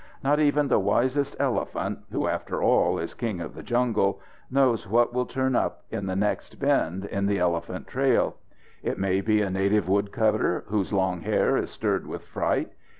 Not even the wisest elephant, who, after all, is king of the jungle, knows what will turn up at the next bend in the elephant trail. It may be a native woodcutter, whose long hair is stirred with fright.